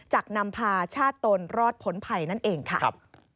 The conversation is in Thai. จะนำพาชาติตนรอดพ้นภัยนั่นเองค่ะ